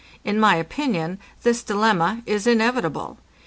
In my opinion, this dilemma is inevitable.